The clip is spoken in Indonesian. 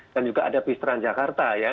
dan juga ada pisteran jakarta ya